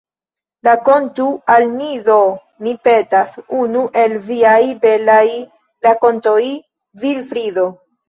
Rakontu al ni do, mi petas, unu el viaj belaj rakontoj, Vilfrido.